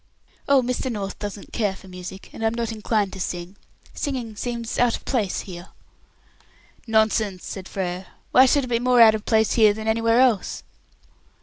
"Oh, Mr. North doesn't care for music, and I'm not inclined to sing. Singing seems out of place here." "Nonsense," said Frere. "Why should it be more out of place here than anywhere else?"